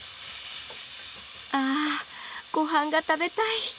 あごはんが食べたい！